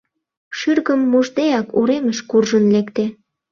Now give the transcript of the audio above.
Шӱргым мушдеак, уремыш куржын лекте.